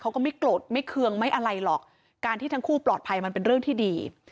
ก็ไม่โกรธไม่เคืองไม่อะไรหรอกการที่ทั้งคู่ปลอดภัยมันเป็นเรื่องที่ดี